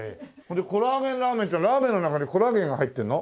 コラーゲンラーメンってラーメンの中にコラーゲンが入ってんの？